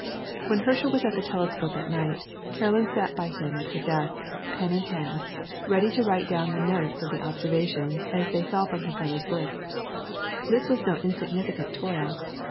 When Herschel was at the telescope at night, Caroline sat by him at her desk, pen in hand, ready to write down the notes of the observations as they fell from her brother's lips. This was no insignificant toil.